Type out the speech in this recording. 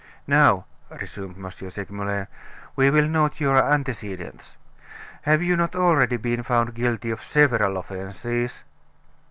"Now," resumed M. Segmuller, "we will note your antecedents. Have you not already been found guilty of several offenses?"